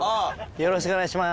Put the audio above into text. よろしくお願いします。